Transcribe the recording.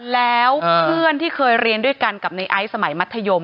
แล้วเพื่อนที่เคยเรียนด้วยกันกับในไอซ์สมัยมัธยม